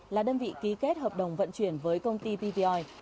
là đơn vị ký kết hợp đồng vận chuyển với công ty pvoi